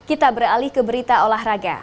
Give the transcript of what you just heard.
kita beralih ke berita olahraga